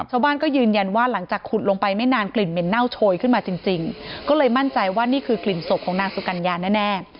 ชาวบ้านก็ยืนยันว่าหลังจากขุดลงไปไม่นานกลิ่นเหม็นเน่าโชยขึ้นมาจริงก็เลยมั่นใจว่านี่คือกลิ่นศพของนางสุกัญญาแน่